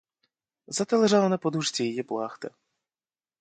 Зате лежала на подушці її плахта.